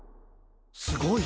すごい！